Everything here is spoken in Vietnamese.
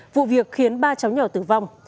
vụ việc khiến ba cháu nhỏ tử vong